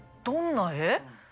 どんな絵？